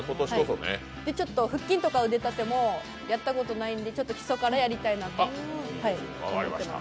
ちょっと腹筋とか腕立てもやったことないんで基礎からやりたいなと思います。